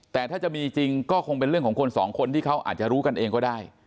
แต่ถ้าจะมีจริงก็คงเป็นเรื่องของคนสองคนที่เขาอาจจะรู้กันเองก็ได้